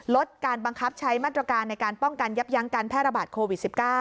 ลดการบังคับใช้มาตรการในการป้องกันยับยั้งการแพร่ระบาดโควิด๑๙